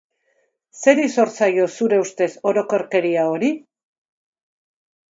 Zeri zor zaio, zure ustez, orokorkeria hori?